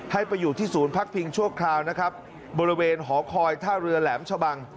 ไปอยู่ที่ศูนย์พักพิงชั่วคราวนะครับบริเวณหอคอยท่าเรือแหลมชะบัง